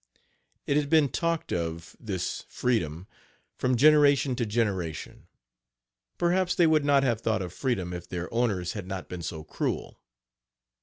It had been talked of Page 79 (this freedom) from generation to generation. Perhaps they would not have thought of freedom, if their owners had not been so cruel.